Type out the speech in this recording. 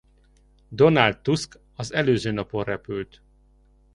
Donald Tusk az előző napon repült.